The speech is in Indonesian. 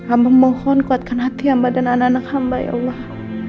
aku mohon kuatkan hati ya mbak dan anak anak hamba ya allah